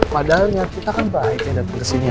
padahal kita kan baiknya datang kesini ya